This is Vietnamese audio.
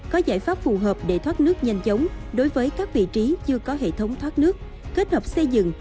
có giải pháp phù hợp để thoát nước nhanh chóng đối với các vị trí chưa có hệ thống thoát nước kết hợp xây dựng